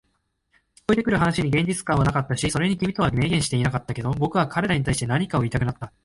聞こえてくる話に現実感はなかったし、それに君とは明言してはいなかったけど、僕は彼らに対して何かを言いたくなった。